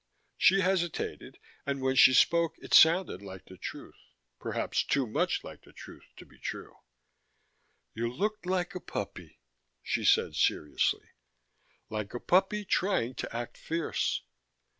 She hesitated, and when she spoke it sounded like the truth, perhaps too much like the truth to be true. "You looked like a puppy," she said seriously. "Like a puppy trying to act fierce.